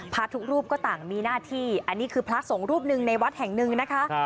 พระทุกรูปก็ต่างมีหน้าที่อันนี้คือพระสงฆ์รูปหนึ่งในวัดแห่งหนึ่งนะคะ